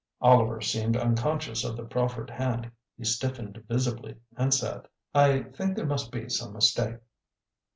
Oliver seemed unconscious of the proffered hand; he stiffened visibly and said: "I think there must be some mistake."